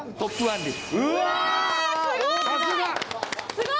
すごい！